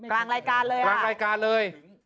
ป่อจิตหล่างรายการเลย